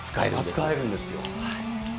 扱えるんですよ。